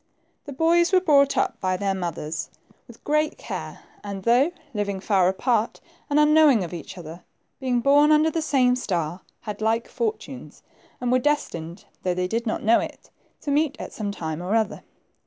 The boys were brought up by their mothers with 5 66 THE TWO FRINGES. great care, and though living far apart and unknow ing of each other, being born under the same star, had like fortunes, and were destined, though they did not know it, to meet at some time or other.